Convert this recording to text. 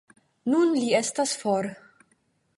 Nun li ja estas for.